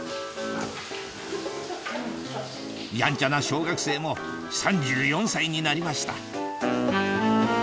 やんちゃな小学生も３４歳になりました